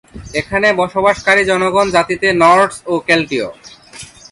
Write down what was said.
এখানে বসবাসকারী জনগণ জাতিতে নর্স ও কেল্টীয়।